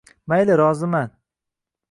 Mayli, roziman.